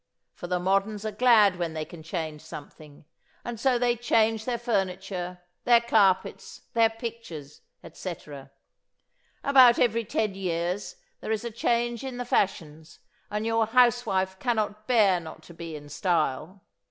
For the moderns are glad when they can change something, and so they change their furniture, their carpets, their pictures, etc. About every ten years there is a change in the fashions and your housewife cannot bear not to be in style.